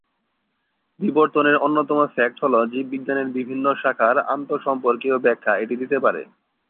বিবর্তনের অন্যতম ফ্যাক্ট হলো, জীববিজ্ঞানের বিভিন্ন শাখার আন্তঃসম্পর্কীয় ব্যাখ্যা এটি দিতে পারে।